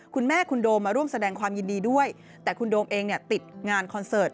คุณแม่คุณโดมมาร่วมแสดงความยินดีด้วยแต่คุณโดมเองเนี่ยติดงานคอนเสิร์ต